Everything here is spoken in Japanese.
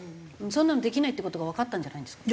そんなのできないって事がわかったんじゃないんですか？